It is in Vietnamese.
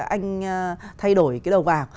anh thay đổi cái đầu vào